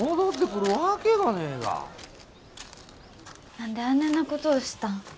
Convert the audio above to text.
何であねえなことをしたん？